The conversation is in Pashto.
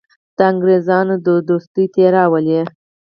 د انګرېزانو دوستي ته راولي.